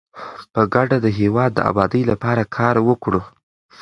په ګډه د هیواد د ابادۍ لپاره کار وکړو.